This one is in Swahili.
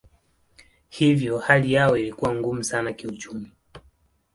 Hivyo hali yao ilikuwa ngumu sana kiuchumi.